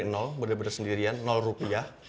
saya mulai dari nol bener bener sendirian nol rupiah